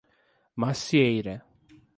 Macieira